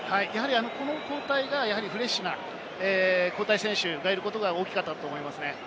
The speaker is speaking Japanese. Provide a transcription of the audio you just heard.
この交代がフレッシュな交代選手がいることが大きかったと思います。